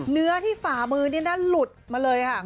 เนื้อที่ฝ่ามือนี่นั่นหลุดมาเลยค่ะ